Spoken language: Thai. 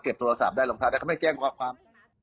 เก็บโทรศัพท์ได้ลองทาราศัยเขาไม่แกล้งความ